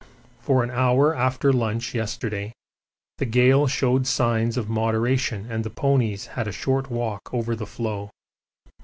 For an hour after lunch yesterday the gale showed signs of moderation and the ponies had a short walk over the floe.